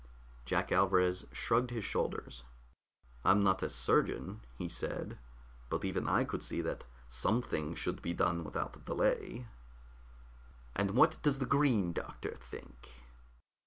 Jack Alvarez shrugged his shoulders. "I'm not a surgeon," he said, "but even I could see that something should be done without delay." "And what does the Green Doctor think?"